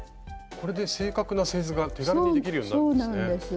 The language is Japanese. これで正確な製図が手軽にできるようになるんですね。